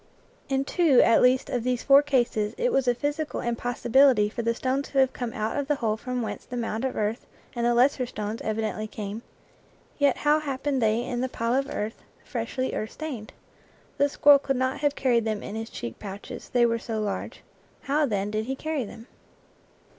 In two at least of these four cases it was a physical impossibility for the stones to have come out of the hole from whence the mound of earth and the lesser stones evidently came, yet how happened they in the pile of earth 79 IN FIELD AND WOOD 'freshly earth stained? The squirrel could not have carried them in his cheek pouches, they were so large; how, then, did he carry them?